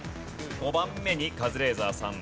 ５番目にカズレーザーさん